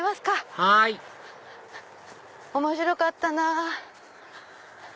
はい面白かったなぁ。